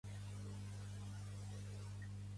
No som cap xec en blanc, ha advertit.